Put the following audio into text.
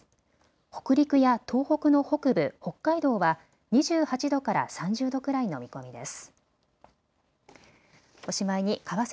北陸や東北の北部、北海道は２８度から３０度くらいの見込みです。